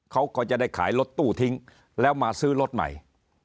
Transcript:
เขาก็จะได้ขายรถตู้ทิ้งแล้วมาซื้อรถใหม่